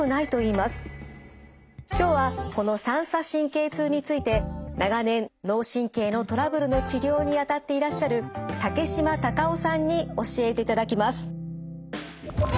今日はこの三叉神経痛について長年脳神経のトラブルの治療にあたっていらっしゃる竹島多賀夫さんに教えていただきます。